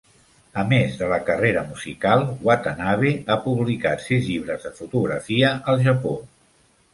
A més de la carrera musical, Watanabe ha publicat sis llibres de fotografia al Japó.